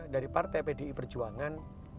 dari partai pdi perjuangan